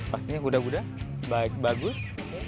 pastinya kuda kuda baik bagus